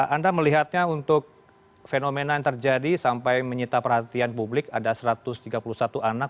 anda melihatnya untuk fenomena yang terjadi sampai menyita perhatian publik ada satu ratus tiga puluh satu anak